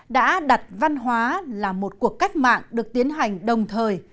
đã đặt văn hóa là một cuộc cách mạng được tiến hành đồng thời